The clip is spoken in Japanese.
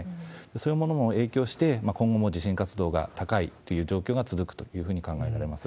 そういうものも影響して、今後も地震活動が高いという状況が続くというふうに考えられます。